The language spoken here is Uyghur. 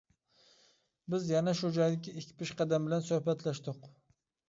بىز يەنە شۇ جايدىكى ئىككى پېشقەدەم بىلەن سۆھبەتلەشتۇق.